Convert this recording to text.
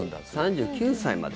３９歳まで。